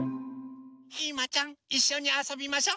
ひまちゃんいっしょにあそびましょ。